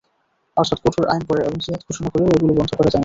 অর্থাৎ, কঠোর আইন করে এবং জিহাদ ঘোষণা করেও এগুলো বন্ধ করা যায়নি।